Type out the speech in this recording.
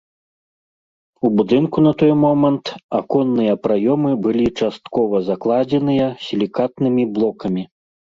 У будынку на той момант аконныя праёмы былі часткова закладзеныя сілікатнымі блокамі.